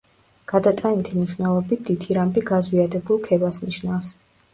გადატანითი მნიშვნელობით დითირამბი გაზვიადებულ ქებას ნიშნავს.